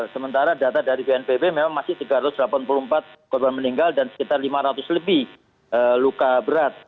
sementara data dari bnpb memang masih tiga ratus delapan puluh empat korban meninggal dan sekitar lima ratus lebih luka berat